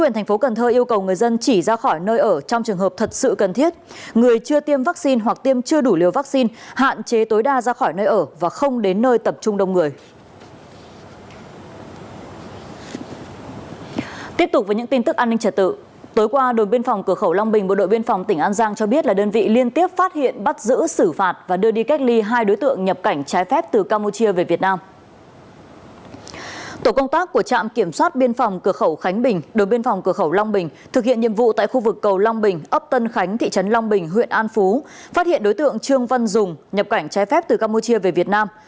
tổ công tác của trạm kiểm soát biên phòng cửa khẩu khánh bình đội biên phòng cửa khẩu long bình thực hiện nhiệm vụ tại khu vực cầu long bình ấp tân khánh thị trấn long bình huyện an phú phát hiện đối tượng trương văn dùng nhập cảnh trái phép từ campuchia về việt nam